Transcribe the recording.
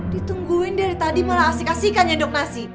ditungguin dari tadi malah asik asiknya dok nasi